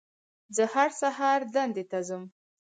زه هر سهار دندې ته ځم